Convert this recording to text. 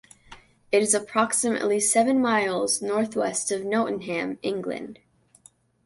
It is approximately seven miles north-west of Nottingham, England.